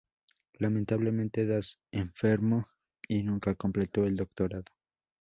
Lamentablemente, Das enfermó y nunca completó el doctorado.